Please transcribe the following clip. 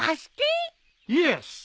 イエス。